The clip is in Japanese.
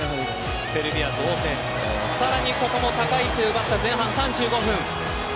セルビア同点ここも高い位置で奪った前半３４分。